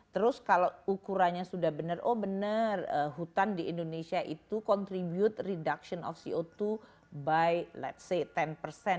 terus kalau ukurannya sudah benar oh benar hutan di indonesia itu contribute reduction of co dua by ⁇ lets ⁇ say sepuluh persen